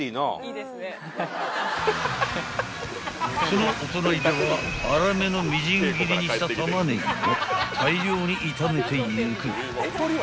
［そのお隣では粗めのみじん切りにしたタマネギも大量に炒めていく］